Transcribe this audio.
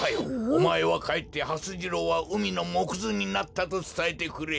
おまえはかえってはす次郎はうみのもくずになったとつたえてくれ。